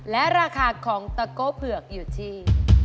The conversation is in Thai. และราคาของตะโก้เผือกอยู่ที่